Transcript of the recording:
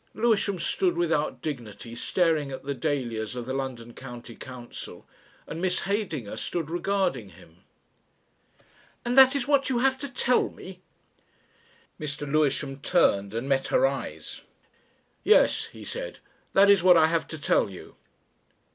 Lewisham stood without dignity staring at the dahlias of the London County Council, and Miss Heydinger stood regarding him. "And that is what you have to tell me?" Mr. Lewisham tamed and met her eyes. "Yes!" he said. "That is what I have to tell you."